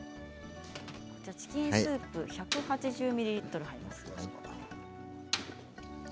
チキンスープ１８０ミリリットル入ります。